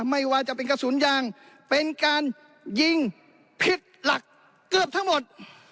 ไม่ว่าจะเป็นกระสุนยางเป็นการยิงผิดหลักเกือบทั้งหมด